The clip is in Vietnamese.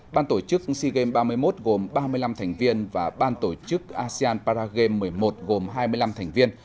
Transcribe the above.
ban tổ chức sea games ba mươi một gồm ba mươi năm thành viên và ban tổ chức asean paragame một mươi một gồm hai mươi năm thành viên